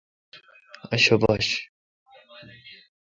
ااشوبش